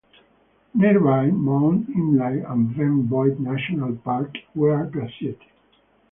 Nearby, Mount Imlay and Ben Boyd National Park were gazetted.